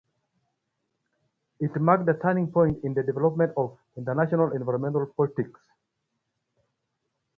It marked a turning point in the development of international environmental politics.